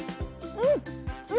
うん。